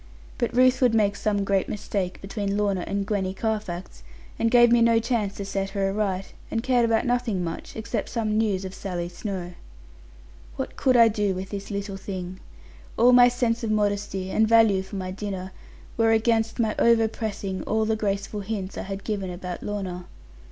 But Ruth would make some great mistake between Lorna and Gwenny Carfax, and gave me no chance to set her aright, and cared about nothing much, except some news of Sally Snowe. What could I do with this little thing? All my sense of modesty, and value for my dinner, were against my over pressing all the graceful hints I had given about Lorna.